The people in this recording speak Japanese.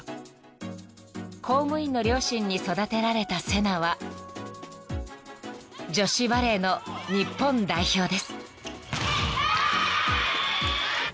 ［公務員の両親に育てられたセナは女子バレーの日本代表です］